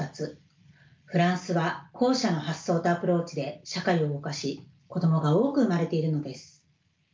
フランスは後者の発想とアプローチで社会を動かし子どもが多く生まれているのです。